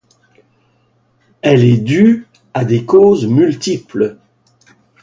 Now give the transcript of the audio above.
Elle est due à des causes multiples.